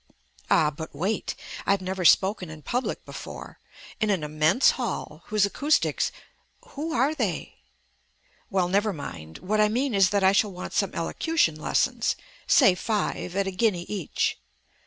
"Ah, but wait. I have never spoken in public before. In an immense hall, whose acoustics " "Who are they?" "Well, never mind. What I mean is that I shall want some elocution lessons. Say five, at a guinea each."